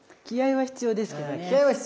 気合いは必要ですね。